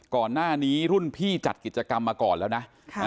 ก่อนหน้านี้รุ่นพี่จัดกิจกรรมมาก่อนแล้วนะ